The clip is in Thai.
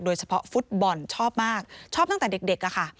โดยเฉพาะฟุตบอลชอบมากชอบตั้งแต่เด็กอะค่ะ